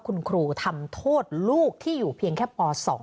คุณครูทำโทษลูกที่อยู่เพียงแค่ป๒